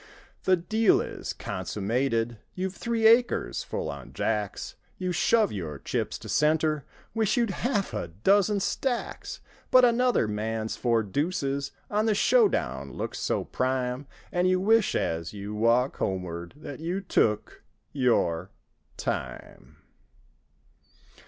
The deal is consummated. You've three acres full on jacks; You shove your chips to center. Wish you'd half a dozen stacks; But another man's four deuces On the "show down" looks so prime. And you wish, as you walk homeward. That—you—took—your—time.